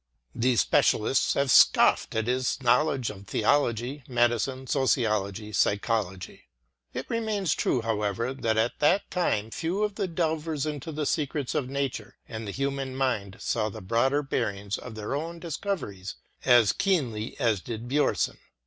The spe cialists have scoffed at his knowledge of theology, medicine, sociology, psychology. It remains true, however, that at that time few of the delvers into the secrets of nature and the human mind saw the broader bearings of their own discoveries as keenly as did Bjomson.